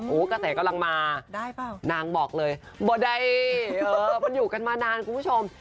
โอ้โหกระแสกำลังมาได้เปล่านางบอกเลยบ่ได้มันอยู่กันมานานคุณผู้ชม